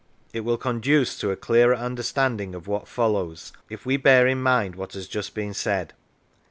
It will conduce to a clearer understanding of what follows if we bear in mind what has just been said.